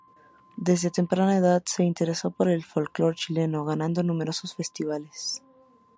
Desde temprana edad se interesó por el folclore chileno, ganando numerosos festivales.